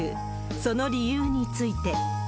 その理由について。